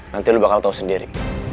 nanti lu bakal tau sendiri